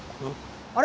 あれ？